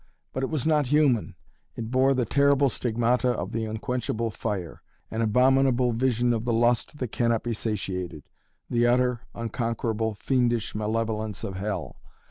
But it was not human. It bore the terrible stigmata of the unquenchable fire; an abominable vision of the lust that cannot be satiated, the utter, unconquerable, fiendish malevolence of Hell.